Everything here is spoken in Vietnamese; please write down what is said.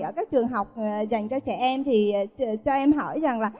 ở các trường học dành cho trẻ em thì cho em hỏi rằng là